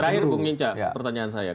terakhir bung hinca pertanyaan saya